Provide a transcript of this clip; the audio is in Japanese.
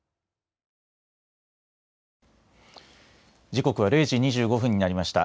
時刻は０時２５分になりました。